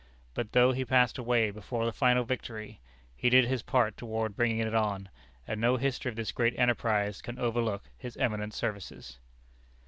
But, though he passed away before the final victory, he did his part toward bringing it on, and no history of this great enterprise can overlook his eminent services.